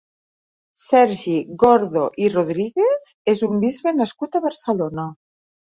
Sergi Gordo i Rodríguez és un bisbe nascut a Barcelona.